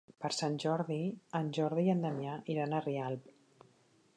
Per Sant Jordi en Jordi i en Damià iran a Rialp.